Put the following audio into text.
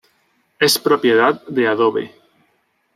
Es propiedad de Adobe.